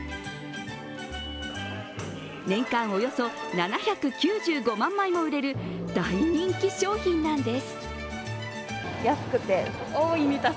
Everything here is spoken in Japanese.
年間およそ７９５万枚も売れる大人気商品なんです。